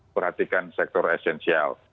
perhatikan sektor esensial